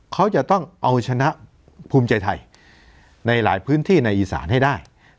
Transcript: เขาจะต้องเอาชนะภูมิใจไทยในหลายพื้นที่ในอีสานให้ได้